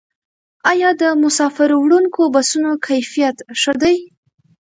آیا د مسافروړونکو بسونو کیفیت ښه دی؟